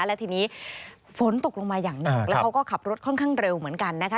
และทีนี้ฝนตกลงมาอย่างหนักแล้วเขาก็ขับรถค่อนข้างเร็วเหมือนกันนะคะ